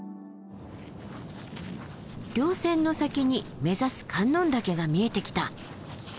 稜線の先に目指す観音岳が見えてきた。